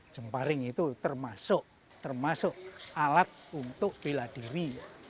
jemparing itu termasuk alat untuk pilihan diri